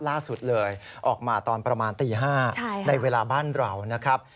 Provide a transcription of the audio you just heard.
ล่าสุดเลยออกมาตอนประมาณตี๕ในเวลาบ้านเรานะครับ